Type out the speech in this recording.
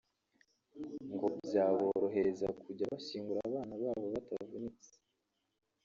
ngo byaborohereza kujya bashyingura ababo batavunitse